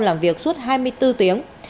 làm việc suốt hai mươi bốn tiếng